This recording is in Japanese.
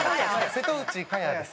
瀬戸内かやです。